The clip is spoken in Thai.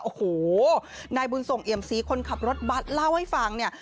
โอ้โหนายบุญส่งเอี่ยมศรีคนขับรถบัตรเล่าให้ฟังเนี่ย